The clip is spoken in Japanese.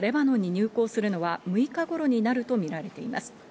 船がレバノンに入港するのは６日頃になるとみられています。